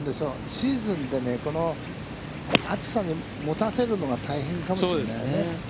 シーズンでこの暑さでもたせるのが大変かもしれないね。